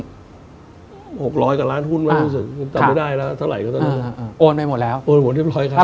ต้องไม่ได้แล้วเท่าไหร่ก็ต้องโอนไปหมดแล้วโอนหมดเรียบร้อยครับ